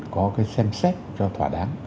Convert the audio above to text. có cái xem xét cho thỏa đáng